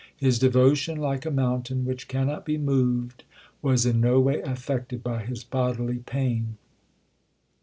His devotion like a mountain which cannot be moved was in no way affected by his bodily pain.